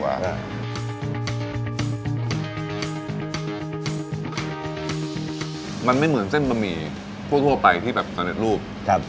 มันไม่เหมือนเส้นบะหมี่ทั่วไปที่แบบสำเร็จรูปครับ